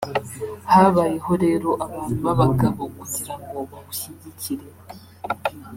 "Habayeho rero abantu b’abagabo kugira ngo bawushyigikire